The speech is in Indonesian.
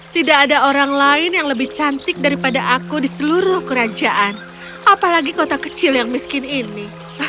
tidak ada orang lain yang lebih cantik daripada aku di seluruh kerajaan apalagi kota kecil yang miskin ini